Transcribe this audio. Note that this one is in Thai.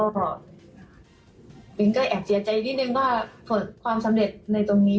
ก็เวียงก็แอบเสียใจนิดนึงว่าความสำเร็จในตรงนี้